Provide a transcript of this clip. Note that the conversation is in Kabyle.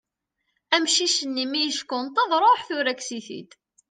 Amcic-nni, mi yeckenṭeḍ, ṛuḥ tura kkes-it-id.